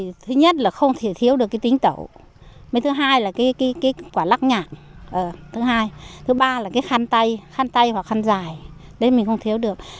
đạo cụ của mình thì thứ nhất là không thể thiếu được cái tính tẩu thứ hai là cái quả lắc nhạc thứ ba là cái khăn tay khăn tay hoặc khăn dài đấy mình không thiếu được